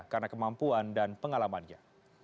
karena kemampuan dan pengalamannya